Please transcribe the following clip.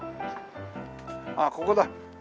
あっここだ。